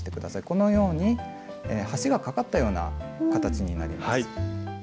このように橋がかかったような形になります。